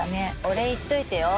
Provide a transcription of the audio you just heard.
お礼言っといてよ